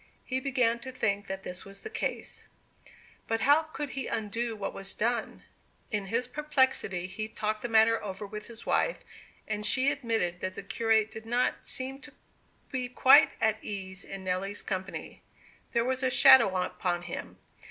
He began to think that this was the case. But how could he undo what was done? In his perplexity he talked the matter over with his wife. And she admitted that the curate did not seem to be quite at ease in Nelly's company. There was a shadow upon him.